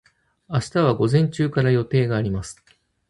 明日は午前中から予定があります。